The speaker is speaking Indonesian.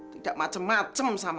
tidak macem macem sama si saskia